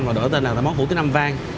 và đổi tên là món hủ tiếu nam vàng